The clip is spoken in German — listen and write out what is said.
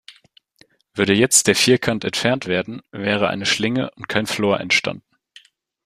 Würde jetzt der Vierkant entfernt werden, wäre eine Schlinge und kein Flor entstanden.